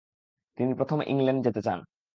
তিনি প্রথম ইংল্যান্ডে যেতে চান।